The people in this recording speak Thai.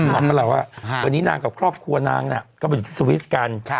หมอบก็เล่าว่าวันนี้นางกับครอบครัวนางน่ะก็สวีซกัน